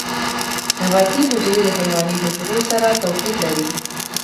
نباتي حجرې د حیواني حجرو سره توپیر لري